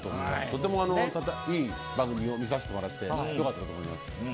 とてもいい番組を見させてもらってよかったと思います。